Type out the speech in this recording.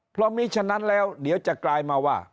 เพราะมีฉะนั้นแล้วเดี๋ยวจะกลายมาว่า